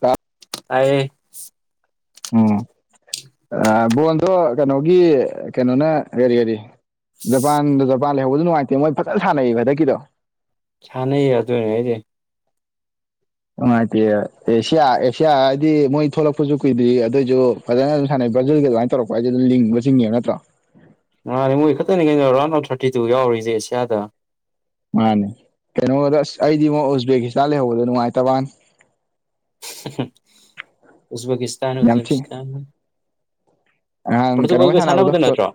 ꯀ ꯑꯌꯦ ꯎꯝ ꯕꯣꯟꯗꯣ ꯀꯩꯅꯣꯒꯤ ꯀꯩꯅꯣꯅ ꯀꯔꯤ ꯀꯔꯤ ꯖꯄꯥꯟꯗꯣ ꯖꯄꯥꯟ ꯂꯩꯍꯧꯕꯗ ꯅꯨꯡꯉꯥꯏꯇꯦ ꯃꯣꯏ ꯐꯖꯅ ꯁꯥꯟꯅꯩ ꯍꯟꯗꯛꯀꯤꯗꯣ ꯁꯅꯩꯌꯦ ꯑꯗꯨ ꯑꯗꯨꯅꯦ ꯑꯩꯗꯤ ꯅꯨꯡꯉꯥꯏꯇꯦ ꯑꯦꯁꯤꯌꯥ ꯑꯦꯁꯤꯌꯥ ꯍꯥꯏꯗꯤ ꯃꯣꯏ ꯊꯣꯛꯂꯛꯄꯁꯨ ꯀꯨꯏꯗꯦ ꯑꯗꯨꯑꯣꯏꯁꯨ ꯐꯖꯅ ꯑꯗꯨꯝ ꯁꯥꯟꯅꯩ ꯕꯖ ꯑꯗꯨꯃꯥꯏꯅ ꯇꯧꯔꯛꯄ ꯍꯥꯏꯁꯦꯝꯕ ꯆꯤꯡꯉꯦꯕ ꯅꯠꯇ꯭ꯔꯥ ꯉꯥꯟꯅꯦ ꯃꯣꯏ ꯈꯛꯇꯅꯤ ꯀꯩꯅꯣ ꯔꯥꯎꯟ ꯑꯣꯐ ꯊꯥꯔꯇꯤ ꯇꯨ ꯌꯥꯎꯔꯤꯁꯦ ꯑꯦꯁꯤꯌꯥꯗ ꯃꯥꯅꯦ ꯀꯩꯅꯣꯗ ꯑꯁ ꯑꯩꯗꯤ ꯑꯃꯛ ꯎꯁꯕꯦꯀꯤꯁꯇꯥꯟ ꯂꯩꯍꯧꯕꯗꯣ ꯅꯨꯡꯉꯥꯏꯇꯕꯅꯤ ꯎꯖꯕꯒꯀꯤꯁꯇꯥꯟ ꯌꯥꯝ ꯎꯖꯥꯟ ꯊꯤ ꯅꯍꯥꯟ ꯀꯩꯅꯣꯃ ꯁꯥꯟꯅꯕꯗꯣ ꯐ ꯍꯣꯏ ꯅꯠꯇ꯭ꯔꯣ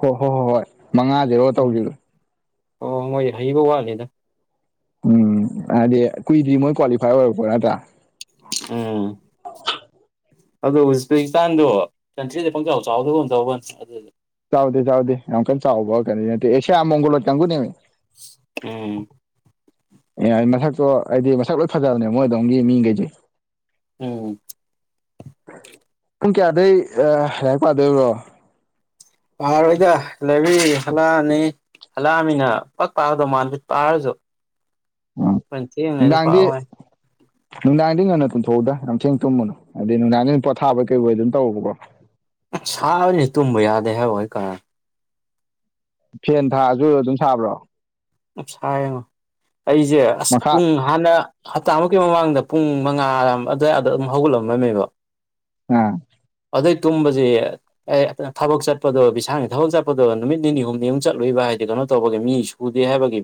ꯍꯣꯏ ꯍꯣꯏ ꯍꯣꯏ ꯃꯉꯥꯁꯤꯔꯣ ꯎꯝ ꯇꯧꯁꯤꯔꯣ ꯑꯣ ꯃꯣꯏ ꯍꯩꯕ ꯋꯥꯠꯂꯤꯗ ꯎꯝ ꯍꯥꯏꯗꯤ ꯀꯨꯏꯗ꯭ ꯃꯣꯏ ꯀ꯭ꯋꯥꯂꯤꯐꯥꯏ ꯑꯣꯏꯔꯛꯄ ꯅꯥꯠꯇ꯭ꯔꯥ ꯑꯥ ꯑꯗꯣ ꯎꯖꯄꯦꯀꯤꯁꯇꯥꯟꯗꯣ ꯀꯟꯇ꯭ꯔꯤꯗ ꯄꯪꯆꯥꯎ ꯆꯥꯎꯗ ꯍꯣꯟ ꯇꯧꯕꯅꯦ ꯑꯗꯨꯗ ꯆꯥꯎꯥꯎꯗꯦ ꯆꯥꯎꯗꯦ ꯌꯥꯝ ꯀ ꯆꯥꯎꯥꯎꯕ ꯀꯦ ꯌꯥꯝ ꯑꯃ ꯃꯪꯣꯂꯣꯔ ꯆꯪꯨ ꯅꯃꯤ ꯎꯝ ꯑꯦ ꯃꯁꯛꯇꯣ ꯍꯥꯏꯗꯤ ꯃꯁꯛ ꯂꯣꯏ ꯐꯖꯕꯅꯦ ꯃꯣꯏꯗꯣꯝꯒꯤ ꯃꯤꯈꯩꯁꯦ ꯎꯝ ꯄꯨꯡ ꯀꯌꯥꯗꯩ ꯍꯥꯏꯥꯛ ꯄꯥꯗꯣꯏꯔꯤꯕ꯭ꯔꯣ ꯄꯥꯔ ꯑꯣꯏꯗ ꯂꯩꯕꯤ ꯍꯂꯅꯤ ꯍꯜꯂꯛꯑꯃꯤꯅ ꯄꯛ ꯄꯥꯗꯣ ꯃꯥꯥꯟꯠ ꯄꯥꯔꯁꯨ ꯎꯝ ꯐꯆ ꯌꯦꯉꯗꯤ ꯄꯥꯕꯦ ꯅꯨꯡꯗꯥꯡꯗꯒꯤ ꯉꯟꯅ ꯇꯨꯝꯊꯣꯛꯎꯗ ꯌꯥꯝꯊꯦꯡ ꯊꯨꯝꯕꯅꯨ ꯍꯥꯏꯗꯤ ꯅꯨꯡꯗꯥꯡꯗꯒꯤ ꯄꯣꯊꯥꯕꯩ ꯀꯩꯕꯩ ꯑꯗꯨꯝ ꯇꯧꯕꯀꯣ ꯁꯥꯕꯅꯤ ꯇꯨꯝꯕ ꯌꯥꯗꯦ ꯍꯥꯏꯣꯏ ꯀ ꯐꯦꯟ ꯊꯥꯔꯁꯨ ꯑꯗꯨꯝ ꯁꯥꯕ꯭ꯔꯣ ꯑꯁꯥꯏ ꯌꯦꯡꯉꯣ ꯑꯩꯁꯦ ꯑꯁ ꯃꯈꯥ ꯄꯨꯡ ꯍꯥꯟꯅ ꯍꯞꯇꯥꯃꯨꯛꯀꯤ ꯃꯃꯥꯡꯗ ꯄꯨꯡ ꯃꯉꯥ ꯑꯗꯨꯋꯥꯏ ꯑꯗ ꯑꯗꯨꯝ ꯍꯧꯒꯠꯂꯝꯂꯝꯃꯦꯕ ꯎꯝ ꯑꯗꯩ ꯇꯨꯝꯕꯁꯤ ꯑꯦ ꯊꯕꯛ ꯆꯠꯄꯗꯣ ꯕꯤꯚꯤꯁꯥꯅ ꯊꯕꯛ ꯆꯠꯄꯗꯣ ꯅꯨꯃꯤꯠ ꯅꯤꯅꯤ ꯍꯨꯝꯅꯤꯃꯨꯛ ꯆꯠꯂꯨꯕ ꯍꯥꯏ ꯗꯤ ꯀꯩꯅꯣ ꯇꯧꯕꯒꯤ ꯃꯤ ꯁꯨꯗꯦ ꯍꯥꯏꯕꯒꯤ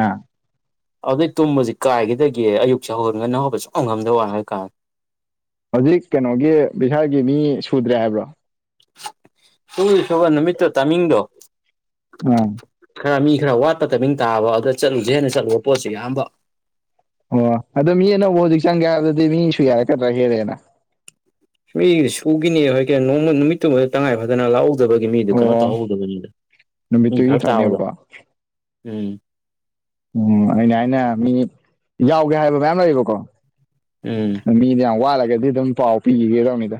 ꯑꯥ ꯑꯗꯨꯗꯩ ꯇꯨꯝꯕꯁꯤ ꯀꯥꯏꯈꯤꯗꯒꯦ ꯑꯌꯨꯛꯁꯦ ꯍꯧꯒꯟꯒꯅ ꯍꯧꯕ ꯁꯨꯡꯪꯉꯝꯗꯕ ꯋꯥ ꯍꯥꯏ ꯀꯥꯟꯗ ꯍꯧꯖꯤꯛ ꯀꯩꯅꯣꯒꯤ ꯕꯤꯍꯥꯔꯒꯤ ꯃꯤ ꯁꯨꯗ꯭ꯔꯦ ꯍꯥꯏꯕ꯭ꯔꯣ ꯇꯨꯡꯒꯤ ꯁꯕꯥꯥ ꯅꯨꯃꯤꯠꯇ ꯇꯥꯃꯤꯡ ꯗꯣ ꯑꯥ ꯈꯔ ꯃꯤ ꯈꯔ ꯋꯥꯠꯄ ꯇꯃꯤꯡ ꯇꯥꯕ ꯑꯗꯨꯗ ꯆꯠꯂꯨꯁꯦ ꯍꯦꯟꯅ ꯆꯠꯂꯨꯕ ꯄꯣꯠꯁꯤꯦ ꯑꯌꯥꯝꯕ ꯑꯣ ꯑꯗꯣ ꯃꯤ ꯑꯅꯧꯕ ꯍꯧꯖꯤꯛ ꯆꯪꯒꯦ ꯍꯥꯏꯕꯗꯗꯤ ꯃꯤꯁꯨ ꯌꯥꯔꯛꯀꯗ꯭ꯔꯥ ꯍꯦꯜꯂꯦꯅ ꯁ ꯃꯤꯗꯤ ꯁꯨꯈꯤꯅꯤ ꯑꯩꯣꯏ ꯀ ꯅꯣꯡꯃ ꯅꯨꯃꯤꯠꯇꯨꯃꯗ ꯇꯉꯥꯏ ꯐꯗꯅ ꯂꯥꯛꯎ ꯇꯗꯕꯒꯤ ꯃꯤꯗꯨ ꯀꯩꯅꯣ ꯑꯣ ꯇꯧꯍꯧꯗꯕꯅꯤꯗ ꯃꯤ ꯅꯨꯃꯤꯠꯇꯨꯒꯤ ꯐꯔꯛ ꯇꯥꯕꯗꯣ ꯈꯛꯅꯦꯕꯀꯣ ꯎꯝ ꯎꯝ ꯑꯅꯦ ꯍꯥꯏꯅ ꯃꯤ ꯌꯥꯎꯒꯦ ꯍꯥꯏꯕ ꯃꯌꯥꯝ ꯂꯩꯌꯦꯕꯀꯣ ꯎꯝ ꯃꯤꯗꯤ ꯌꯥꯝ ꯋꯥꯂꯒꯗꯤ ꯑꯗꯨꯝ ꯄꯥꯎ ꯄꯤꯈꯤꯒꯦꯗꯧꯅꯤꯗ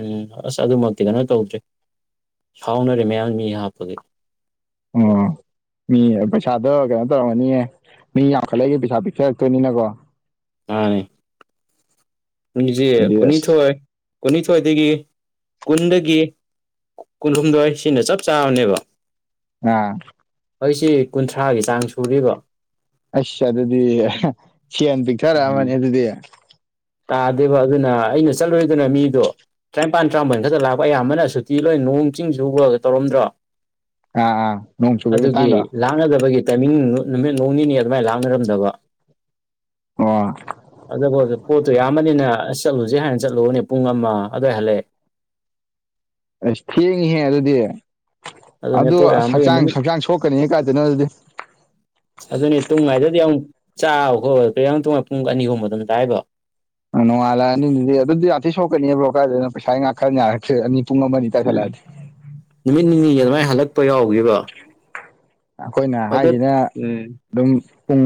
ꯎꯝ ꯑꯁ ꯑꯗꯨꯃꯛꯇꯤ ꯀꯩꯅꯣ ꯇꯧꯗ꯭ꯔꯔꯤ ꯁꯥꯎꯅꯔꯦ ꯃꯌꯥꯝ ꯃꯤ ꯍꯥꯞꯄꯒꯤ ꯑꯝ ꯃꯤ ꯄꯩꯁꯥꯗꯣ ꯀꯩꯅꯣ ꯇꯧꯔꯝꯃꯅꯤꯌꯦ ꯃꯤ ꯌꯥꯝꯈꯠꯂꯒꯦ ꯄꯩꯁꯥ ꯄꯤꯛꯊꯔꯛꯇꯣꯏꯅꯤꯅꯀꯣ ꯑꯅꯦ ꯁꯦ ꯑꯗꯨꯗꯤ ꯑꯁ ꯀꯨꯟꯅꯤꯊꯣꯏ ꯀꯨꯟꯅꯤꯊꯣꯏꯗꯒꯤ ꯀꯨꯟꯗꯒꯤ ꯀꯨꯟꯍꯨꯝꯗꯣꯏ ꯁꯤꯅ ꯆꯞ ꯆꯥꯕꯅꯦꯕ ꯑꯥ ꯑꯩꯁꯤ ꯀꯨꯟꯊ꯭ꯔꯥꯒꯤ ꯆꯥꯡ ꯁꯨꯔꯤꯕ ꯑꯁ ꯑꯗꯨꯗꯤ ꯁꯤꯟ ꯄꯤꯛꯊꯔꯛꯑ ꯎꯝ ꯑꯃꯅꯤꯅꯤ ꯑꯗꯨꯗꯤ ꯇꯥꯗꯦꯕ ꯑꯗꯨꯅ ꯑꯩꯅ ꯆꯠꯂꯨꯔꯣꯏꯗꯅ ꯃꯤꯗꯣ ꯇꯔꯥꯅꯤꯄꯥꯟ ꯇꯔꯥꯃꯄꯟ ꯈꯛꯇ ꯂꯥꯛꯄ ꯑꯌꯥꯝꯕꯅ ꯁꯨꯇꯤ ꯂꯣꯏ ꯅꯣꯡ ꯆꯤꯡ ꯆꯨꯈ꯭ꯔꯒ ꯇꯧꯔꯝꯗ꯭ꯔꯣ ꯑꯥ ꯅꯣꯡ ꯆꯨꯕꯒꯤ ꯑꯗꯨꯒꯤ ꯃꯇꯥꯡꯗꯣ ꯂꯥꯛꯅꯗꯕꯒꯤ ꯇꯥꯏꯃꯤꯡ ꯅꯨꯃꯤꯠ ꯣꯡ ꯅꯤꯅꯤ ꯑꯗꯨꯃꯥꯏꯅ ꯂꯥꯡꯅꯔꯝꯗꯕ ꯑꯣ ꯑꯗꯨꯕꯨ ꯄꯣꯠꯇꯣ ꯌꯥꯝꯕꯅꯤꯅ ꯑꯁ ꯆꯠꯂꯨꯁꯦ ꯍꯥꯟꯅ ꯆꯠꯂꯨꯨꯔꯅꯦ ꯄꯨꯡ ꯑꯃ ꯑꯗꯨꯋꯥꯏ ꯍꯜꯂꯛꯑꯦ ꯑꯁ ꯊꯦꯡꯉꯤꯍꯦ ꯑꯗꯨꯗꯤ ꯑꯗꯨꯅꯦ ꯑꯗꯨ ꯄꯣꯠ ꯑꯁ ꯌꯥꯝꯕꯒꯤ ꯍꯛꯆꯥꯡ ꯅꯨꯃꯤꯠ ꯍꯛꯆꯥꯡ ꯁꯣꯛꯀꯅꯤ ꯀꯥꯏꯗꯅꯣ ꯑꯗꯨꯗꯤ ꯑꯗꯨꯅꯦ ꯇꯨꯡꯉꯥꯏꯗꯗꯤ ꯑꯃꯨꯛ ꯆꯥꯕꯈꯣ ꯀꯔꯡ ꯇ ꯄꯨꯡ ꯑꯅꯤꯒꯨꯝꯕ ꯑꯗꯨꯝ ꯇꯥꯏꯕꯣ ꯅꯨꯡꯉꯂꯗꯤ ꯑꯗꯨꯗꯤꯥꯇ ꯁꯣꯛꯀꯅꯤꯕꯣꯗ ꯄꯩꯁꯥ ꯉꯥꯛ ꯎꯝ ꯅꯨꯃꯤꯠ ꯅꯤꯅꯤꯒꯤ ꯑꯗꯨꯃꯥꯏꯅ ꯍꯜꯂꯛꯄ ꯌꯥꯎꯕ ꯑꯩꯈꯣꯏꯅ ꯍꯥꯏꯁꯤꯅ ꯎꯝ ꯑꯗꯨꯝ ꯄꯨꯡ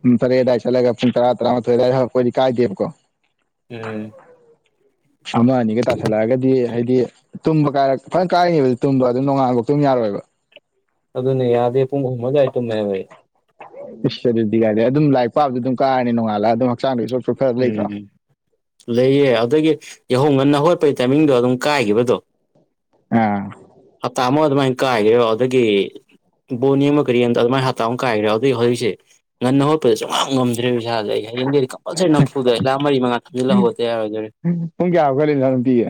ꯄꯨꯡ ꯇꯔꯦꯠ ꯑꯗꯨꯋꯥꯏ ꯆꯠꯂꯒ ꯄꯨꯡ ꯇꯔꯥ ꯇꯔꯥꯃꯥꯊꯣꯏ ꯑꯗꯨꯋꯥꯏꯗ ꯍꯧꯔꯛꯄꯗꯤ ꯀꯥꯏꯗꯦꯕꯀꯣ ꯎꯝ ꯑꯃ ꯑꯅꯤꯒ ꯇꯥꯁꯜꯂꯛꯑꯒꯗꯤ ꯍꯥꯏꯗꯤ ꯇꯨꯝꯕ ꯀꯥꯏꯔ ꯐꯖꯅ ꯀꯥꯏꯔꯤꯉꯕ ꯇꯨꯝꯕ ꯑꯗꯨꯝ ꯅꯣꯡꯉꯥꯜꯈꯧꯛꯇꯝ ꯌꯥꯔꯣꯏꯕ ꯑꯗꯨꯅ ꯌꯥꯗꯦ ꯄꯨꯡ ꯃꯃꯒꯥꯏꯇ ꯃꯌꯥꯝꯃꯦꯦ ꯏꯁ ꯑꯗꯨꯗꯤ ꯀꯥꯏꯗꯦ ꯑꯗꯨꯝ ꯂꯥꯏꯔꯤꯛ ꯄꯥꯕꯗꯤ ꯑꯗꯨꯝ ꯀꯥꯔꯅꯤ ꯅꯣꯡꯉꯥꯂꯒ ꯑꯗꯨꯝ ꯍꯛꯆꯥꯡꯗꯩꯁꯨ ꯎꯝ ꯂꯩꯌꯦ ꯑꯗꯨꯗꯒꯤ ꯌꯍꯧ ꯉꯟꯅ ꯍꯣꯠ ꯑꯄꯩ ꯇꯥꯏꯃꯤꯡꯗꯣ ꯑꯗꯨꯝ ꯀꯥꯏꯈꯤꯕꯗꯣ ꯑꯥ ꯍꯞꯇꯥ ꯑꯃ ꯑꯗꯨꯃꯥꯏ ꯀꯥꯏꯒꯦꯣ ꯑꯗꯨꯗꯒꯤ ꯕꯣꯟ ꯌꯦꯡꯃꯒꯔꯤ ꯌꯦꯡꯗ ꯑꯗꯨꯃꯅꯞꯇꯥꯥꯎ ꯑꯃ ꯀꯥꯏꯈ꯭ꯔꯦ ꯍꯧ ꯑꯗꯨꯗꯏ ꯍꯧꯖꯤꯛꯁꯦ ꯉꯟꯅ ꯍꯣꯠꯄꯗ ꯉꯝꯗ꯭ꯔꯦꯕ ꯏꯁꯥꯥꯁꯦ ꯑꯩ ꯍꯌꯦꯡꯗꯒꯤꯗꯤ ꯀꯝꯄꯜꯁꯔꯤ ꯅꯝꯐꯨꯗ ꯑꯩ ꯂꯥꯛ ꯃꯔꯤ ꯃꯉꯥ ꯊꯝꯖꯤꯜꯍꯧꯕ ꯌꯥꯔꯣꯏꯗꯣꯏꯦ ꯄꯨꯡ ꯀꯌꯥꯒ ꯂꯩꯖꯅ ꯄꯤꯌꯦ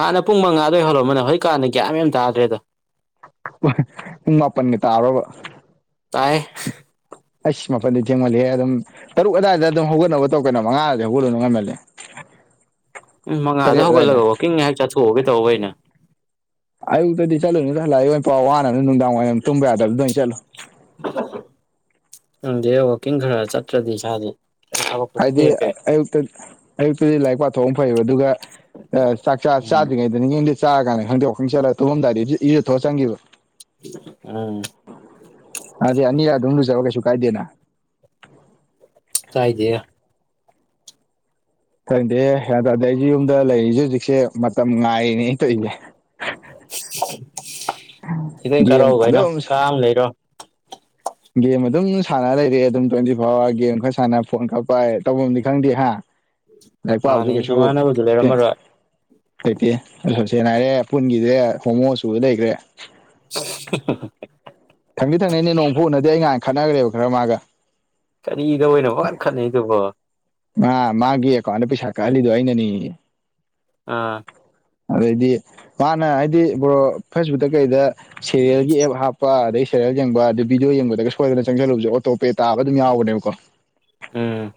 ꯍꯥꯟꯅ ꯄꯨꯡ ꯃꯉꯥꯗ ꯍꯧꯜꯔꯛꯑꯃꯅꯦ ꯍꯖꯤꯣꯏ ꯀꯥꯟꯅ ꯀꯒ꯭ꯌꯥ ꯌꯥꯝ ꯇꯥꯗ꯭ꯔꯦꯗꯣ ꯏ ꯃꯥꯄꯟꯅꯤ ꯇꯥꯔꯕ ꯇꯥꯏ ꯑꯩꯁ ꯃꯄꯜꯗꯤ ꯊꯦꯡꯃꯜꯂꯦ ꯑꯗꯨꯝ ꯇꯔꯨꯛ ꯑꯗꯥꯏꯗ ꯑꯗꯨꯝ ꯍꯧꯒꯠꯅꯕ ꯇꯧꯀꯅꯣ ꯃꯉꯥꯗꯤ ꯍꯧꯒꯠꯂꯨꯅ ꯉꯝꯃꯜꯂꯦ ꯑꯗꯨ ꯎꯝ ꯃꯉꯥꯗ ꯍꯧꯒꯠꯂꯒ ꯋꯥꯛꯀꯤꯡ ꯉꯥꯏꯍꯥꯛ ꯆꯠꯊꯣꯛꯑꯒꯦ ꯇꯧꯕ ꯑꯩꯅ ꯑꯌꯨꯛꯇꯗꯤ ꯆꯂꯅꯤ ꯆꯂ ꯋꯥꯍ ꯇꯨꯝꯕꯦ ꯍꯥꯏꯗ ꯆꯂꯣ ꯈꯪꯗꯦ ꯋꯥꯛꯀꯤꯡ ꯈꯔ ꯆꯠꯇ꯭ꯔꯗꯤ ꯏꯁꯥꯗꯤꯦ ꯍꯥꯏꯗꯤ ꯑꯌꯨꯛꯇ ꯑꯌꯨꯛꯇꯗꯤ ꯂꯥꯏꯔꯤꯛ ꯄꯥꯊꯣꯛ ꯑꯃ ꯐꯩꯌꯦꯕ ꯑꯗꯨꯒ ꯑꯦ ꯆꯥꯛ ꯆꯥ ꯎꯝ ꯆꯥꯗ꯭ꯔꯤꯉꯩꯗꯅꯤ ꯌꯦꯡꯗꯦ ꯆꯥꯔ ꯀꯥꯟꯗ ꯈꯪꯗꯣꯛ ꯈꯪ ꯆꯠꯂ ꯇꯨꯍꯝꯗꯥꯏꯗꯤ ꯏꯁꯨ ꯊꯣꯛꯑ ꯆꯟꯈꯤꯕ ꯎꯝ ꯑꯗ ꯑꯅꯤꯌꯥ ꯣꯁꯕꯒꯦꯁꯨ ꯀꯥꯏꯗꯅ ꯆꯥꯏꯗꯌꯥ ꯐꯔꯤꯗꯦ ꯌꯥ ꯇꯗꯤ ꯑꯩꯁꯦ ꯌꯨꯝꯗ ꯂꯩꯔꯤꯁꯦ ꯍꯧꯖꯤꯛꯁꯦ ꯃꯇꯝ ꯉꯥꯏꯔꯤꯅꯦ ꯑꯩꯅ ꯇꯧꯔꯤꯁꯦ ꯁꯤꯈꯤꯗꯪ ꯒꯦꯝ ꯀꯥꯔꯛꯑꯣ ꯚꯥꯏꯅꯣ ꯑꯗꯨꯝ ꯀꯥꯝ ꯂꯩꯔꯣ ꯒꯦꯝ ꯑꯗꯨꯝ ꯁꯥꯟꯅ ꯂꯩꯔꯦ ꯑꯗꯨꯝ ꯇ꯭ꯋꯦꯟꯇꯤ ꯐꯣꯔ ꯑꯋꯥꯔ ꯒꯦꯝ ꯈꯔ ꯁꯥꯟꯅ ꯐꯣꯟ ꯈꯔ ꯄꯥꯏ ꯇꯧꯐꯝꯝꯗꯤ ꯈꯪꯗꯦ ꯍꯥ ꯂꯥꯏꯔꯤꯛ ꯄꯥꯕꯁꯨ ꯃꯥꯅꯤ ꯀꯩꯁꯨ ꯅꯃꯥꯟꯅꯕꯁꯨ ꯂꯩꯇꯦ ꯂꯩꯔꯝꯃꯔꯣꯏ ꯂꯩꯇꯦ ꯁꯦꯡꯅ ꯍꯥꯏꯔꯦ ꯄꯨꯨꯟꯒꯤꯁꯦ ꯍꯣꯃꯣ ꯁꯨꯕ ꯂꯩꯈ꯭ꯔꯦ [unintelligible] ꯊꯪꯅꯤ ꯊꯪꯅꯤꯩꯅꯦ ꯅꯣꯡꯐꯨ ꯎꯅꯗꯤ ꯑꯩ ꯉꯥꯏꯅ ꯈꯠꯅꯈ꯭ꯔꯦꯕ ꯈꯔ ꯃꯥꯒ ꯀꯔꯤꯗ ꯑꯣꯏꯅꯣꯅ ꯈꯠꯅꯩꯗꯨꯕꯣ ꯃꯥ ꯃꯥꯒꯤꯦ ꯀꯣꯟꯅ ꯄꯩꯁ ꯀꯥ ꯂꯤꯗꯏꯅꯅꯤ ꯑꯥ ꯑꯗꯩꯗꯤ ꯃꯥꯅ ꯍꯥꯏꯗꯤ ꯕ ꯐꯦꯁꯕꯨꯛꯇ ꯀꯩꯗ ꯁꯦꯔꯤꯌꯦꯜꯒꯤ ꯑꯦꯞ ꯍꯥꯞꯄ ꯑꯗꯩ ꯁꯦꯔꯦꯜ ꯌꯦꯡꯕ ꯑꯗ ꯚꯗꯤꯑꯣ ꯌꯦꯡꯕꯗꯒ ꯁꯣꯏꯗꯅ ꯆꯪꯁꯜꯂꯨꯕꯁꯦ ꯑꯣꯇꯣ ꯄꯦ ꯇꯥꯕ ꯑꯗꯨꯝ ꯌꯥꯎꯕꯅꯦꯕꯀꯣ ꯎꯝ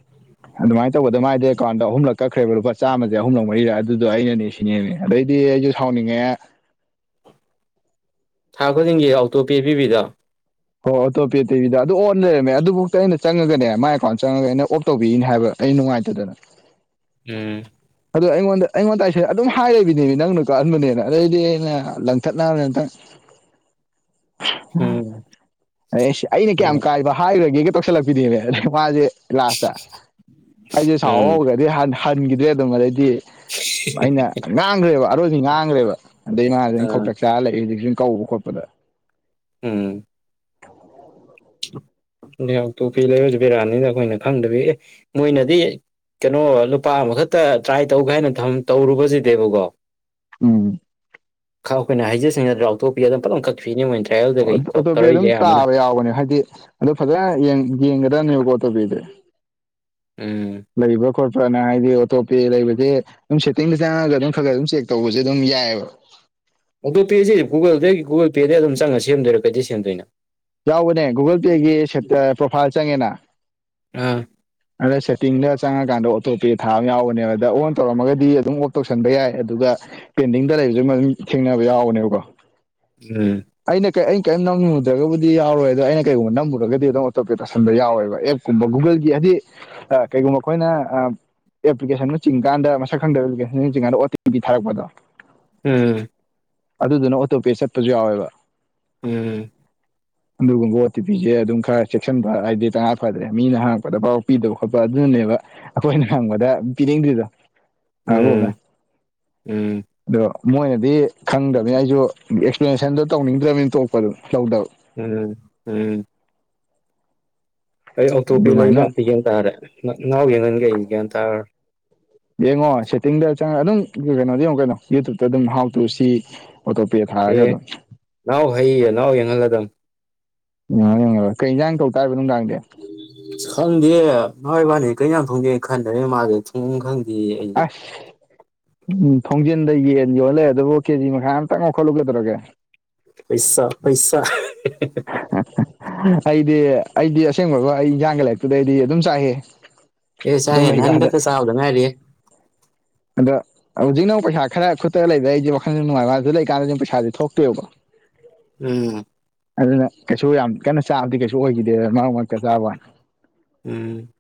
ꯑꯗꯨꯃꯥꯏꯅ ꯇꯧꯕꯗ ꯃꯥꯏꯗꯤ ꯑꯦꯀꯥꯎꯟꯗ ꯑꯍꯨꯝꯂꯛ ꯀꯛꯈ꯭ꯔꯦꯕ ꯂꯨꯄꯥ ꯆꯥꯝꯃꯁꯦ ꯑꯍꯨꯝꯂꯛ ꯃꯔꯤꯔ ꯑꯗꯨꯗꯣ ꯑꯩꯅꯅꯦ ꯁꯤꯅꯦꯦꯝꯅꯦ ꯑꯗꯩꯗꯤ ꯑꯩꯁꯨ ꯁꯥꯎꯅꯤꯡꯉꯦ ꯊꯥ ꯈꯨꯗꯤꯡꯒꯤ ꯑꯣꯇꯣꯄꯦ ꯄꯤꯕꯤꯗ ꯍꯣ ꯑꯣꯇꯣ ꯄꯦ ꯇꯕꯤꯗ ꯑꯗꯨ ꯑꯣꯟ ꯂꯩꯔꯝꯃꯦ ꯑꯗꯨꯐꯥꯎꯗ ꯑꯩꯅ ꯆꯪꯉꯒꯅꯦ ꯃꯥꯏ ꯑꯦꯀꯥꯎꯟꯗ ꯆꯪꯉꯒ ꯑꯩꯅ ꯑꯣꯐ ꯇꯧꯕꯤꯅꯤ ꯍꯥꯏꯕ ꯀ ꯅꯨꯡꯉꯥꯏꯇꯗꯅ ꯎꯝ ꯑꯗꯣ ꯑꯩꯉꯣꯟꯗ ꯑꯩꯉꯣꯟꯗ ꯑꯩꯁꯦ ꯑꯗꯨꯝ ꯍꯥꯏꯔꯕꯤꯅꯦꯅꯦ ꯅꯪꯅ ꯀꯛꯍꯟꯕꯅꯦꯅ ꯑꯗꯩꯗꯤ ꯑꯩꯅ ꯂꯪꯊꯠꯅꯕꯪ ꯎꯝ [unintelligible] ꯑꯗꯁ ꯑꯩꯅ ꯀꯌꯥꯝ ꯀꯥꯏꯕ ꯍꯥꯏꯔꯨꯔꯒꯦꯒ ꯇꯧꯁꯜꯂꯛꯄꯤꯗꯦꯕ ꯑꯗ ꯃꯥꯁꯦ ꯀ꯭ꯂꯥꯁꯇ ꯑꯩꯁꯦ ꯁꯥꯎ ꯎꯝ ꯍꯧꯈ꯭ꯔꯗꯤ ꯍꯟꯈꯤꯗ꯭ꯔꯦ ꯑꯗꯨꯝ ꯑꯗꯩꯗꯤ ꯑꯩꯅ ꯉꯥꯡꯈ꯭ꯔꯦꯕ ꯑꯔꯣꯏꯁꯤ ꯉꯥꯡꯈ꯭ꯔꯦꯕ ꯑꯗꯩ ꯏ ꯑ ꯃꯥꯁꯤꯪꯈꯣꯛ ꯆꯥꯛ ꯆꯆꯥꯔ ꯂꯩꯏ ꯍꯧꯖꯤꯛꯁꯨ ꯀꯧꯕ ꯈꯣꯠꯄꯗ ꯎꯝ ꯂꯩꯍ ꯇꯣꯄꯤ ꯂꯩꯔꯁꯨ ꯄꯦꯔꯥꯅꯤꯗ ꯑꯩꯈꯣꯏꯅ ꯈꯪꯗꯕꯤ ꯑꯦ ꯃꯣꯏꯅꯗꯤ ꯀꯩꯅꯣ ꯂꯨꯄꯥ ꯑꯃꯈꯛꯇ ꯇ꯭ꯔꯥꯏ ꯇꯧꯒꯦ ꯍꯥꯏꯅ ꯇꯧꯔꯨꯕꯁꯤꯗꯕꯀꯣ ꯎꯝ ꯑꯩꯈꯣꯏꯅꯩꯖꯁꯤꯡꯅꯗ ꯂꯥꯎꯊꯣꯛꯄꯤ ꯑꯗꯨꯝ ꯑꯗꯨꯂꯝ ꯀꯛꯄꯤꯅꯤ ꯃꯣꯏꯗ ꯑꯇꯣꯞꯄ ꯑꯗꯨꯝ ꯇꯥꯕ ꯌꯥꯎꯕꯅꯦ ꯍꯥꯏꯗꯤ ꯑꯗꯣ ꯐꯖ ꯌꯦꯡ ꯌꯦꯡꯗꯅꯤ ꯌ ꯀꯣ ꯇꯧꯕꯦ ꯎꯝ ꯈꯣꯠꯄ꯭ꯔꯅ ꯍꯥꯏꯗꯤ ꯑꯣꯇꯣꯄꯦ ꯂꯩꯕꯁꯦ ꯑꯗꯨꯝ ꯁꯦꯠꯇꯤꯡꯗ ꯆꯪꯉꯒ ꯑꯗꯨꯝ ꯈꯔ ꯈꯔ ꯑꯗꯨꯝ ꯆꯦꯛ ꯇꯧꯕꯁꯦ ꯑꯗꯨꯝ ꯌꯥꯏꯑꯕ ꯑꯣꯇꯣ ꯄꯦꯁꯤ ꯒꯨꯒꯜꯗꯗꯒꯤ ꯒꯨꯒꯜ ꯄꯦꯗꯒꯤ ꯑꯗꯨꯝꯪꯉ ꯁꯦꯝꯗꯣꯏꯔꯥ ꯀꯩꯗꯩ ꯁꯦꯝꯗꯣꯏꯅꯣ ꯌꯥꯎꯕꯅꯦ ꯒꯨꯒꯜ ꯄꯦꯒꯤ ꯄ꯭ꯔꯣꯐꯥꯏꯜ ꯆꯪꯉꯦꯅ ꯑꯥ ꯑꯗ ꯁꯦꯠꯇꯤꯡꯗ ꯆꯪꯉꯀꯥꯟꯗ ꯑꯣꯇꯣ ꯄꯦ ꯊꯥ ꯑꯃ ꯌꯥꯎꯕꯅꯦꯕ ꯑꯗ ꯑꯣꯟ ꯇꯧꯔꯝꯃꯒꯗꯤ ꯑꯗꯨꯝ ꯑꯣꯞ ꯇꯧꯁꯟꯕ ꯌꯥꯏ ꯑꯗꯨꯒ ꯄꯦꯟꯇꯤꯡꯗ ꯂꯩꯕꯁꯨ ꯃ ꯑꯗꯨꯝ ꯊꯦꯡꯅꯕ ꯌꯥꯎꯕꯅꯦꯕꯀꯣ ꯎꯝ ꯑꯩꯅ ꯀꯩ ꯑꯩꯅ ꯀꯔꯤꯝ ꯅꯝꯃꯨꯗ꯭ꯔꯒꯕꯨꯗꯤꯎꯔꯣꯏ ꯑꯗ ꯑꯩꯅ ꯀꯩꯒꯨꯝꯕ ꯅꯝꯃꯨꯔꯒꯗꯤ ꯑꯗꯨꯝ ꯑꯣꯇꯣꯄꯦ ꯇꯧꯟ ꯌꯥꯎꯋꯦꯕ ꯑꯦꯞꯀꯨꯝ ꯒꯜ ꯍꯥꯏꯗꯤ ꯀꯩꯒꯨꯝꯕ ꯑꯩꯈꯣꯏꯅ ꯑꯦꯄ꯭ꯂꯤꯀꯦꯁꯟ ꯂꯆꯤꯡꯀꯥꯟꯗ ꯃꯁꯛ ꯈꯪꯗꯕ ꯑꯦꯄ꯭ꯂꯤꯀꯦꯁꯟꯤꯡꯀꯥꯟꯗ ꯑꯣ ꯇꯤ ꯄꯤ ꯊꯥꯔꯛꯄꯗꯣ ꯎꯝ ꯑꯗꯨꯗꯨꯅ ꯑꯣꯇꯣꯄꯦ ꯆꯠꯄꯁꯨ ꯌꯥꯎꯋꯦꯕ ꯎꯝ ꯑꯗꯨꯒꯨꯝꯕ ꯑꯣ ꯇꯤ ꯄꯤꯤꯁꯦ ꯑꯗꯨꯝ ꯈꯔ ꯆꯦꯛꯁꯤꯟꯕ ꯍꯥꯏꯗꯤ ꯇꯉꯥ ꯐꯗ꯭ꯔꯦ ꯃꯤꯅ ꯍꯪꯉꯛꯄꯗ ꯄꯥꯎ ꯄꯤꯗꯕ ꯈꯣꯠꯄ ꯑꯗꯨ ꯅꯦꯕ ꯑꯩꯈꯣꯏꯅ ꯍꯪꯕꯗ ꯄꯤꯔꯦꯡꯗ꯭ꯔꯤꯗꯣ ꯎꯝ ꯎꯝ ꯑꯗꯣ ꯃꯣꯏꯅꯗꯤ ꯈꯪꯗꯕꯅꯤ ꯑꯩꯁꯨ ꯑꯦꯛꯁꯄ꯭ꯂꯦꯅꯦꯁꯟꯗꯣ ꯇꯧꯅꯤꯡꯗ꯭ꯔꯕꯅꯤꯅ ꯇꯣꯛꯄꯗꯨ ꯇꯧꯗꯕ ꯎꯝ ꯎꯝ ꯑꯩ ꯑꯣꯇꯣ ꯄꯦ ꯂꯩꯕꯥ ꯑꯗꯨꯃꯥꯏꯅ ꯑꯝꯇ ꯌꯦꯡꯟ ꯇꯥꯔꯦ ꯅꯅꯥꯍꯎ ꯌꯦꯡꯍꯟꯒꯦ ꯑꯩ ꯭ꯌꯥꯟ ꯇꯥꯔꯣ ꯌꯦꯡꯉꯣ ꯁꯦꯠꯇꯤꯡꯗ ꯆꯪꯉ ꯑꯗꯨꯝ ꯀꯩꯅꯣꯗꯤ ꯌꯦꯡꯨꯛ ꯀꯩꯅꯣ ꯌꯨꯇꯌꯨꯕꯇ ꯑꯗꯨꯝ ꯍꯥꯎ ꯇꯨ ꯁꯤ ꯑꯣꯇꯣꯄꯦ ꯊꯥꯔꯒ ꯑꯦ ꯑꯗꯨꯝ ꯅꯅꯥꯎ ꯍꯩꯌꯦ ꯅꯅꯥꯎ ꯌꯦꯡꯍꯜꯂꯗ ꯎꯉ ꯀꯩꯟꯥꯡ ꯀꯧ ꯇꯥ ꯍꯥꯏꯕ ꯅꯨꯡꯗꯥꯡ ꯈꯪꯗꯦ ꯅ ꯏꯕꯥꯅꯤ ꯀꯩꯅ ꯌꯥꯝ ꯊꯣꯡꯗꯦꯅ ꯈꯟꯗꯔꯦ ꯃꯥꯁ ꯊꯣꯡ ꯈꯪꯗꯦ ꯍ ꯑꯩꯖ ꯑꯁ ꯎꯝ ꯊꯣꯡꯖꯤꯟꯗ ꯌꯦꯟ ꯌꯣꯜꯂꯦ ꯑꯗꯨꯕꯨ ꯀꯦꯖꯤ ꯃꯈꯥ ꯑꯝꯇꯪ ꯑꯃꯈꯠꯂꯨꯒꯗꯧꯒꯦ ꯄꯩꯁꯥ ꯄꯩꯁꯥ ꯑꯩꯗꯤ ꯑꯩꯗꯤ ꯑꯁꯦꯡꯕꯒ ꯑꯩ ꯏꯟꯖꯥꯡꯒꯤ ꯂꯥꯏꯔꯤꯛꯇꯨꯗꯩ ꯑꯩꯗꯤ ꯑꯗꯨꯝ ꯆꯥꯏꯑ ꯑꯦ ꯆꯥꯏꯦ ꯅꯟꯒꯇ ꯆꯥꯎꯗ ꯃꯥꯔꯤꯌꯦꯦ ꯑꯗꯣ ꯍꯧꯖꯤꯛꯅꯧ ꯄꯩꯁꯥ ꯈꯔ ꯈꯨꯠꯇ ꯂꯩꯕ ꯑꯩꯁꯦ ꯋꯥꯈꯜꯗ ꯅꯨꯡꯉꯥꯏꯕꯁꯨ ꯂꯩꯀꯥꯟꯗꯗꯤ ꯄꯩꯁꯥꯗꯤ ꯊꯣꯛꯇꯣꯏꯕ ꯎꯝ ꯑꯗꯨꯅ ꯀꯩꯁꯨ ꯌꯥꯝ ꯀꯟꯅ ꯆꯥꯕꯗꯤ ꯀꯩꯁꯨ ꯑꯣꯏꯈꯤꯗꯦ ꯃꯔꯛ ꯃꯔꯛꯇ ꯆꯥꯕ ꯎꯝ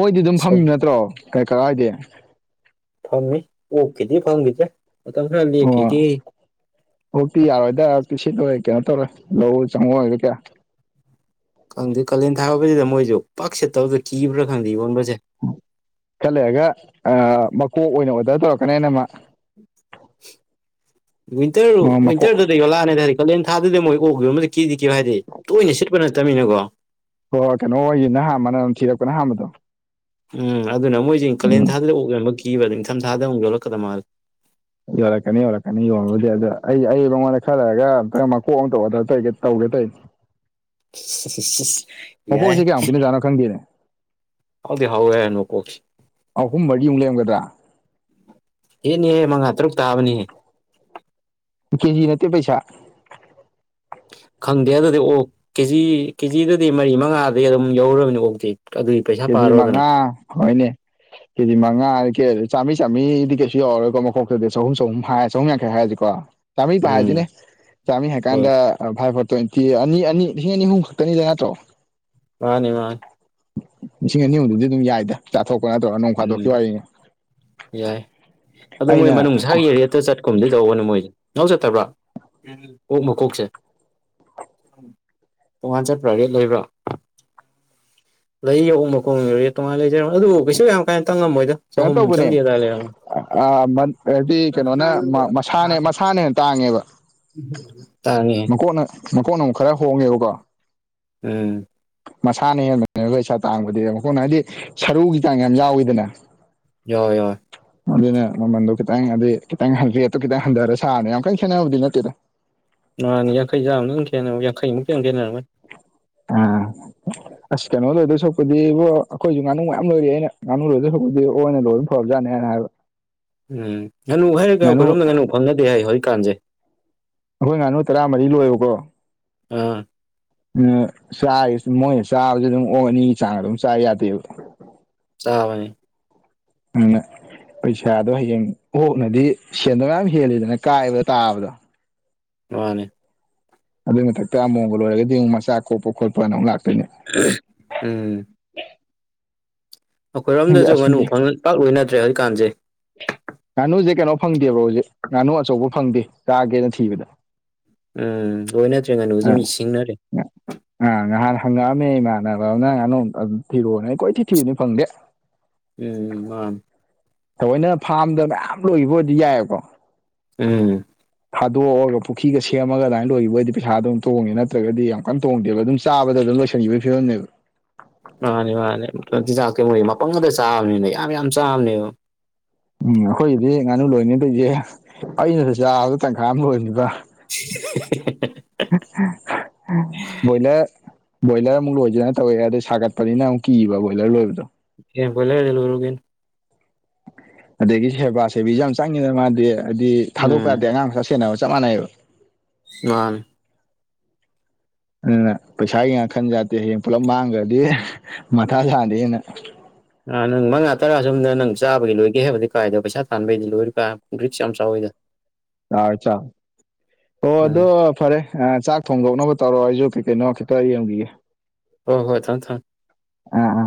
ꯃꯣꯏꯗꯤ ꯑꯗꯨꯝ ꯁꯧ ꯐꯝꯃꯤꯕ ꯅꯠꯇ꯭ꯔꯣ ꯀꯩ ꯀꯔꯥꯏꯗꯤ ꯐꯝꯃꯤ ꯑꯣꯛꯈꯤꯗꯤ ꯐꯪꯈꯤꯗ꯭ꯔꯦ ꯃꯇꯝ ꯈꯔ ꯂꯦꯛꯈꯤꯗꯤ ꯍꯣꯛꯛꯇꯤ ꯌꯥꯔꯣꯏꯗ ꯄꯤ ꯁꯤꯠꯂꯣꯏꯣꯏ ꯀꯩꯅꯣ ꯇꯧꯔꯦ ꯂꯧꯎ ꯆꯪꯉꯨ ꯑꯣꯏꯒꯦ ꯀꯌꯥ ꯈꯪꯗꯦ ꯀꯥꯂꯦꯟ ꯊꯥꯕꯁꯤꯗ ꯃꯣꯏꯁꯨ ꯄꯥꯛ ꯁꯦꯠꯇꯕꯗ ꯀꯤꯕ꯭ꯔꯥ ꯈꯪꯗꯦ ꯌꯣꯟꯕ ꯈꯠꯂꯑꯒ ꯃꯀꯣꯛ ꯑꯣꯏꯅ ꯑꯣꯔꯗꯔ ꯇꯧꯔꯛꯀꯅꯤ ꯍꯥꯏ ꯅ ꯑꯃ [inaudible] ꯋꯤꯟꯇꯔ ꯋꯟꯇꯔꯗ ꯌꯣ ꯂꯛꯑꯅꯦ ꯍꯥꯏꯔꯗꯤ ꯀꯥꯂꯦꯟ ꯊꯥꯗꯨꯗꯤ ꯃꯣꯏ ꯑꯣ ꯎꯈꯤꯕ ꯑꯃꯗ ꯀꯤꯗꯤ ꯀꯦꯨ ꯍꯥꯏꯗꯤ ꯇꯣꯏꯅ ꯁꯤꯠꯄ ꯅꯠꯇꯦ ꯇꯝꯃꯤꯅꯀꯣ ꯍꯣꯏ ꯍꯣꯏ ꯀꯩꯅꯣ ꯑꯣꯏꯌꯦꯅ ꯍꯃꯅ ꯑꯗꯨꯝ ꯊꯤꯔꯛꯄꯅ ꯑꯍꯝꯕꯗꯣ ꯎꯝ ꯑꯗꯨꯅ ꯃꯣꯏꯁꯤꯦ ꯀꯥꯂꯦꯟ ꯊꯥꯗ ꯑꯣꯛꯔꯕ ꯀꯤꯕ꯭ꯔ ꯅꯤꯡꯊꯝ ꯊꯥꯗꯨꯛ ꯌꯣꯂꯛꯀꯗ ꯃꯥꯜꯂꯦ ꯌꯧꯂꯛꯀꯅꯤ ꯌꯧꯔꯛꯀꯅꯤ ꯌꯣꯂꯗꯤ ꯑꯗꯣ ꯑꯩ ꯉꯣꯟꯗ ꯈꯜꯂꯔꯒ ꯃꯀꯣꯛ ꯑꯝꯇ ꯑꯣꯗꯔ ꯇꯧꯒꯦ ꯇꯩ [inaudible] ꯃꯄꯣꯏ ꯌꯥꯏ ꯍꯧꯖꯤꯛ ꯀꯌꯥꯃꯨꯛꯀꯤꯅꯖꯥꯅꯣ ꯈꯪꯗꯦꯅꯦꯦ ꯍꯥꯎꯗꯤ ꯍꯥꯎꯋꯦ ꯃꯀꯣꯛꯁꯦ ꯑ ꯑꯍꯨꯝ ꯃꯔꯤ ꯑꯃꯨꯛ ꯂꯩꯔꯝꯒꯗ ꯑꯦꯅꯦꯍꯦ ꯃꯉꯥ ꯇꯔꯨꯛ ꯇꯥꯕꯅꯤꯍꯦ ꯀꯦꯖꯤ ꯅꯠꯇ ꯄꯩꯁꯥ ꯈꯪꯗꯦ ꯑꯗꯨꯗꯤ ꯑꯣ ꯀꯦꯖꯤ ꯀꯦꯖꯤꯗꯗꯤ ꯃꯔꯤ ꯃꯉꯥꯗꯒꯤ ꯑꯗꯨꯝ ꯌꯧꯔꯕꯅꯤ ꯑꯣꯛꯇꯦ ꯀꯦꯖꯤ ꯃꯉꯥ ꯍꯣꯏꯅꯦ ꯀꯦꯖꯤ ꯃꯉꯥ ꯀ ꯆꯥꯝꯔꯤ ꯆꯥꯝꯔꯤꯗꯤ ꯀꯩꯁꯨ ꯌꯥꯎꯔꯣꯏꯀꯣ ꯃꯈꯣꯛꯇꯗꯤ ꯆꯍꯨꯝ ꯆꯍꯨꯝ ꯍꯥꯏ ꯆꯍꯨꯝ ꯌꯥꯡꯈꯩ ꯍꯥꯏꯔꯁꯤꯀꯣ ꯆꯃꯤ ꯄꯥ ꯎꯝ ꯍꯥꯏꯁꯤꯅꯦ ꯆꯃꯤ ꯍꯣꯏ ꯍꯀꯥꯟꯗꯥꯏ ꯐ ꯇ꯭ꯋꯦꯟꯇꯤ ꯑꯅꯤ ꯑꯅꯤ ꯂꯤꯁꯤꯡ ꯑꯅꯤ ꯑꯍꯨꯝ ꯈꯛꯇꯅꯤꯗ ꯅꯠꯇ꯭ꯔꯣ ꯃꯥꯅꯤ ꯃꯥꯅꯤ ꯂꯤꯁꯤꯡ ꯑꯅꯤ ꯑꯍꯨꯝꯗꯨꯗꯤ ꯑꯗꯨꯝ ꯌꯥꯏꯗ ꯆꯥꯊꯣꯛꯄ ꯅꯠꯇ꯭ꯔꯒ ꯅꯣꯡ ꯎꯝ ꯐꯥꯗꯣꯛꯈꯤꯕ ꯋꯥꯔꯤꯅꯦ ꯌꯥꯏ ꯑꯗꯣ ꯃꯣꯏ ꯃꯅꯨꯡ ꯁꯥꯒꯤ ꯑꯦꯔꯤꯦꯠꯇ ꯆꯠꯀꯨꯝꯗ ꯀꯗꯧꯕꯅꯦ ꯃꯣꯏꯁꯦ ꯉꯥꯎ ꯆꯠꯇꯕ꯭ꯔꯥ ꯀꯣꯛ ꯃꯀꯣꯛꯁꯦ ꯇꯣꯉꯥꯟ ꯆꯠꯄ꯭ꯔꯥ ꯔꯦ ꯂꯩꯕ꯭ꯔꯣ ꯂꯩ ꯌꯥꯎꯨꯝꯕꯀꯣꯡ ꯇꯣꯉꯅ ꯂꯩꯖꯔ ꯑꯗꯨꯕꯨ ꯀꯩꯁꯨ ꯌꯥꯝ ꯈꯤꯇꯪ ꯉꯝꯃꯣꯏꯗ ꯀꯩꯅꯣ ꯆꯍꯨꯝ ꯆꯪꯒꯦ ꯇꯧꯕꯅꯦ ꯑꯗꯨꯗꯥꯏ ꯂꯩꯔꯝꯣ ꯍꯥꯏꯗꯤ ꯀꯩꯅꯣꯅ ꯃꯁꯥꯅꯦ ꯃꯁꯥꯅꯦꯅ ꯇꯥꯡꯉꯦꯕ ꯇꯥꯉꯦ ꯃꯈꯣꯟ ꯑꯃꯨ ꯈꯔ ꯍꯣꯡꯉꯦꯕꯀꯣ ꯎꯝ ꯃꯁꯥꯅ ꯍꯦꯟꯕꯅꯦꯕ ꯄꯩꯁꯥ ꯇꯥꯡꯕꯗꯤ ꯃꯈꯣꯏꯅ ꯍꯥꯏꯗꯤ ꯁꯔꯨꯒꯤ ꯆꯥꯡ ꯌꯥꯝ ꯌꯥꯎꯏꯤꯗꯅ ꯍꯣꯏ ꯍꯣꯏ ꯑꯗꯨꯅ ꯃꯃꯟꯗꯣ ꯈꯤꯇꯪ ꯍꯥꯏꯗꯤ ꯈꯤꯇꯪ ꯍꯟꯒꯦꯠꯇꯨ ꯈꯤꯇꯪ ꯍꯟꯊꯔ ꯁꯥꯔꯅꯤ ꯌꯥꯝ ꯀꯟꯅ ꯈꯦꯠꯅꯕꯗꯤ ꯅꯠꯇꯦꯗ ꯃꯥꯥꯟꯅꯤ ꯌꯥꯡꯈꯩ ꯆꯥꯝ ꯅꯪ ꯈꯦ ꯌꯥꯡꯈꯩꯃꯨꯛ ꯀꯌꯥ ꯈꯦꯅꯔꯝꯃꯦ ꯑꯥ ꯑꯁ ꯀꯩꯅꯣ ꯂꯣꯏꯗꯣꯏ ꯁꯄꯗꯤꯕꯨ ꯑꯩꯈꯣꯏꯁꯨ ꯉꯥꯅꯨ ꯃꯌꯥꯝ ꯂꯣꯏꯔꯦ ꯑꯩꯅ ꯉꯥꯅꯨ ꯂꯣꯏꯗꯣꯏ ꯁꯄꯗꯤ ꯑꯣꯏꯅ ꯂꯣꯏꯅ ꯐꯕꯖꯥꯅꯦ [unintelligible] ꯎꯝ ꯉꯥꯅꯨ ꯍꯥꯏꯩꯔꯒ ꯑꯩꯈꯣꯏꯔꯣꯝꯅ ꯉꯥꯅꯨ ꯐꯝꯅꯗꯦ ꯍꯥꯏ ꯍꯧꯖꯤꯛꯀꯥꯟꯁꯦ ꯑꯩꯈꯣꯏ ꯉꯥꯅꯨ ꯇꯔꯥꯃꯔꯤ ꯂꯣꯏꯌꯣꯀꯣ ꯑ ꯎꯝ ꯆꯥ ꯃꯣꯏꯅ ꯆꯥꯕꯁꯨ ꯑꯗꯨꯝ ꯑꯣ ꯑꯅꯤ ꯆꯥꯡ ꯑꯗꯨꯝ ꯆꯥ ꯌꯥꯗꯦꯕ ꯆꯥꯕꯅꯤ ꯎꯝ ꯄꯩꯁꯥꯗꯣ ꯍꯌꯦꯡ ꯑꯣꯛꯅꯗꯤ ꯁꯦꯟꯗ ꯃ ꯌꯥꯝ ꯍꯦꯜꯂꯤꯗꯅ ꯀꯥꯏꯕꯗ ꯇꯥꯕꯗꯣ ꯃꯥꯅꯦ ꯑꯗꯨꯏ ꯃꯊꯛꯇ ꯑꯃꯨꯣꯕ ꯂꯣꯏꯔꯗꯤ ꯑꯃꯨꯛ ꯃꯆꯥ ꯀꯣꯞꯄ ꯈꯣꯠꯄꯅ ꯑꯃꯨꯛ ꯂꯥꯛꯀꯦ ꯎꯝ ꯈꯪꯗꯦ ꯑꯩꯈꯣꯏꯔꯣꯝꯗꯁꯨ ꯉꯥꯅꯨ ꯑꯁꯤꯒꯤ ꯄꯥꯛ ꯂꯣꯏꯅꯗ꯭ꯔꯦ ꯍꯧꯖꯤꯛꯀꯥꯟꯁꯦ ꯉꯥꯅꯨꯁꯦ ꯀꯩꯅꯣ ꯐꯪꯗꯦꯕ꯭ꯔꯣ ꯍꯧꯖꯤꯛ ꯉꯥꯅꯨ ꯑꯆꯧꯕ ꯐꯪꯗꯦ ꯆꯥꯒꯦꯅ ꯊꯤꯕꯗ ꯎꯝ ꯑꯣꯅꯦ ꯑ ꯑ ꯉꯍꯔ ꯍꯂ ꯅꯦ ꯏꯃꯥꯟꯅꯕ ꯅꯪꯅ ꯊꯤꯔꯛꯑꯣꯅꯦ ꯑꯩ ꯀꯣꯏ ꯊꯤ ꯊꯤꯔꯨꯅꯤ ꯐꯪꯗꯦ ꯎꯝ ꯑ ꯊꯑꯣꯣꯏꯅ ꯐꯥꯔꯝꯗ ꯃꯌꯥꯝ ꯂꯣꯏꯈꯤꯕ ꯑꯣꯏꯔꯗꯤ ꯌꯥꯏꯑꯕꯀꯣ ꯎꯝ ꯊꯥꯗꯣꯛꯑꯒ ꯄꯨꯈ꯭ꯔꯤꯒ ꯁꯦꯝꯃꯒ ꯑꯗꯨꯃꯥꯏꯅ ꯂꯣꯏꯈꯤꯕ ꯑꯣꯏꯣꯏꯗꯤ ꯄꯩꯁꯥꯗꯣ ꯑꯗꯨꯝ ꯇꯣꯡꯉꯦ ꯅꯠꯇ꯭ꯔꯒꯗꯤ ꯌꯥꯝ ꯀꯟꯅ ꯇꯣꯡꯗꯦꯕ ꯑꯗꯨꯝ ꯆꯥꯕꯗ ꯑꯗꯨꯝ ꯂꯣꯏꯁꯟꯕꯤꯕ ꯐꯤꯔꯝꯅꯦꯕ ꯃꯥꯅꯦ ꯃꯥꯅꯦ ꯆꯤꯟꯖꯥꯛ ꯀꯩ ꯃꯒꯤ ꯃꯄꯪꯒꯗ ꯆꯥꯕꯅꯤꯅ ꯌꯥꯝ ꯌꯥꯝ ꯆꯥꯕꯅꯦꯕ ꯎꯝ ꯑꯩꯈꯣꯏꯒꯤꯗꯤ ꯉꯥꯅꯨ ꯂꯣꯏꯅꯤ ꯇꯧꯁꯦ ꯑꯩꯅꯁꯨ ꯆꯥꯕꯗ ꯇꯪꯈꯥ ꯑꯃ ꯂꯣꯏꯕ ꯣꯏꯂ ꯕꯣꯏꯂꯔ ꯑꯃꯨꯛ ꯂꯣꯏꯗꯣꯏꯅ ꯇꯧꯑꯦ ꯑꯗꯣ ꯁꯥꯒꯠꯄꯅꯤꯅ ꯑꯃꯨꯛꯤꯕ ꯕꯣꯏꯂꯔ ꯂꯣꯏꯕꯗꯣ ꯍꯦ ꯄꯂꯒꯗ ꯔꯨꯒꯟ ꯑꯗꯒꯤ ꯁꯦꯕꯥ ꯁꯦꯕꯤꯁꯨ ꯌꯥꯝ ꯆꯪꯉꯤꯗꯅ ꯃꯥꯗꯤ ꯍꯥꯏꯕꯗꯤ ꯊꯥꯗꯣꯛꯄ ꯎꯝ ꯌꯥꯗꯦ ꯑꯉꯥꯡꯁ ꯁꯦꯟꯅꯕ ꯆꯅ ꯃꯥꯥꯟ ꯑꯗꯨꯅ ꯄꯩꯁꯥꯒꯤ ꯉꯈꯟ ꯌꯥꯥꯠꯇꯦ ꯍꯌꯦꯡ ꯄꯨꯂꯞ ꯃꯥꯡꯈ꯭ꯔꯗꯤ ꯃꯊꯥ ꯁꯥꯗꯦ ꯍꯦꯟꯅ ꯑꯥ ꯅꯪ ꯃꯉꯥ ꯇꯔꯥ ꯁꯣꯝꯗ ꯅꯪ ꯆꯥꯕꯒꯤ ꯂꯣꯏꯒꯦ ꯍꯥꯏꯕꯗꯤ ꯀꯥꯏꯗꯣ ꯄꯩꯁꯥ ꯊꯥꯟꯕꯩꯗꯤ ꯂꯣꯏꯔꯨꯀ ꯕ꯭ꯔꯤꯛꯁ ꯌꯥꯝ ꯆꯥꯎꯋꯤꯗ ꯑꯥꯆꯥ ꯑꯣꯣ ꯎꯝ ꯑꯗꯣ ꯐꯔꯦ ꯆꯥꯛ ꯊꯣꯡꯗꯧꯅꯕ ꯇꯥꯣ ꯑꯏꯖꯣ ꯀꯦ ꯀꯩꯅꯣꯈꯦꯇꯥꯏꯒꯦ ꯍ ꯍꯣ ꯊ ꯊ ꯑꯥ ꯑꯥ